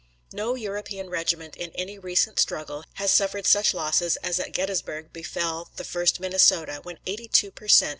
No European regiment in any recent struggle has suffered such losses as at Gettysburg befell the 1st Minnesota, when 82 per cent.